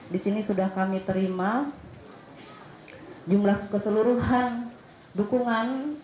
di sini sudah kami terima jumlah keseluruhan dukungan